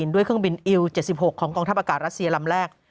ด้วยเครื่องบินอิว๗๖ของกองทัพอากาศรัสเซียลำแรก